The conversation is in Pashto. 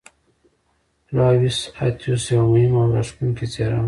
فلاویوس اتیوس یوه مهمه او راښکوونکې څېره وه.